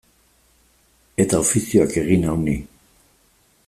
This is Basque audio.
Eta ofizioak egin nau ni.